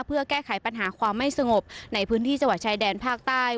เพื่อแก้ไขปัญหาความไม่สงบในพื้นที่จังหวัดชายแดนภาคใต้